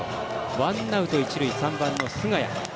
ワンアウト、一塁、３番の菅谷。